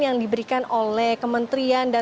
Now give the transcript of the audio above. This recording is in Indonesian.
yang diberikan oleh kementerian dan